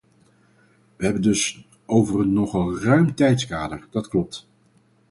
We hebben het dus over een nogal ruim tijdskader, dat klopt.